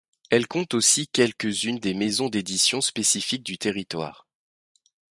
Elle compte aussi quelques-unes des maisons d'édition spécifiques du territoire.